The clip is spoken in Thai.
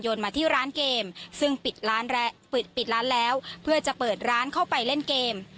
โยนมาที่ร้านเกมซึ่งปิดร้านแล้วเพื่อจะเปิดร้านเข้าไปเล่นเกม